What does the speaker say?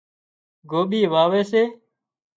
گوٻي واوي سي